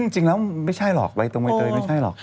จริงแล้วไม่ใช่หรอกใบตรงใบเตยไม่ใช่หรอก